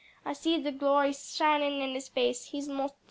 I see de glory shinin' in his face; he's mos' dar."